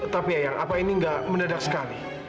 tapi ayang apa ini gak menedak sekali